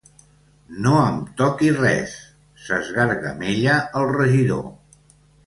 No em toqui res! —s'esgargamella el regidor.